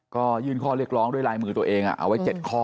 ก็ยื่นข้อเรียกร้องด้วยลายมือตัวเองเอาไว้๗ข้อ